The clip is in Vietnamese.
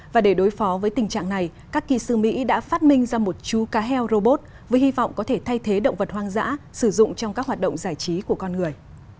và để đối phó với tình trạng này các kỳ sư mỹ đã phát minh ra một chú cá heo robot với hy vọng có thể thay thế động vật hoang dã sử dụng trong các hoạt động giải trí của con người